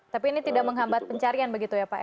tapi ini tidak menghambat pencarian begitu ya pak ya